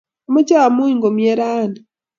Amache amuny komnye rani